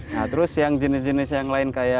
nah terus yang jenis jenis yang lain kayak